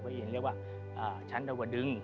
พระอินทร์เรียกว่าชั้นตะวดึง